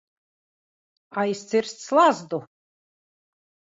Aizcirst slazdu.